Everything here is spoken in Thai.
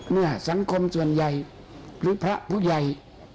สังคมส่วนใหญ่หรือพระผู้ใหญ่